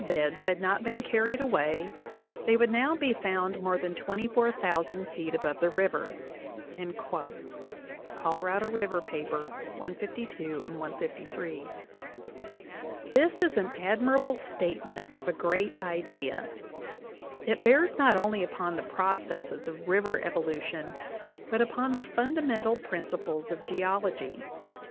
VIII beds had not been carried away they would now be found more than % twenty four thousand feet above the river" (Colorado River, 152, 153). This is an admirable statement of a great idea. It bears not only upon the processes of river evolution, but upon the fundamental principles of geology.